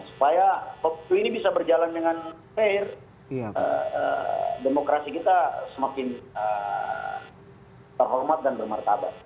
supaya waktu ini bisa berjalan dengan fair demokrasi kita semakin terhormat dan bermartabat